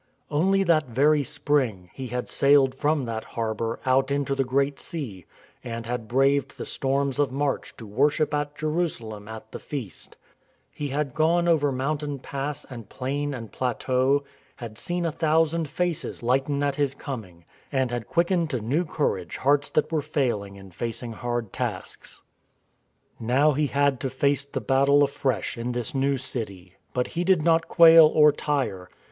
Only that very spring he had sailed from that harbour out into the Great Sea, and had braved the storms of March to worship at Jerusalem at the Feast. He had gone over mountain pass and plain and plateau, had seen a thousand faces lighten at his coming, and had quickened to new courage hearts that were failing in facing hard tasks. Photo by} [ Basil MatheiL's THE CILICIAN GATES Taurus Mountains. "LONE ON THE LAND" 249 Now he had to face the battle afresh in this new City; but he did not quail or tire.